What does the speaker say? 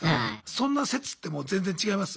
そんな説ってもう全然違います？